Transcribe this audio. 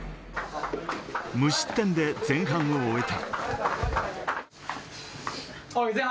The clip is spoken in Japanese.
無失点で前半を終えた。